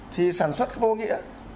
thì sản xuất vô nghĩa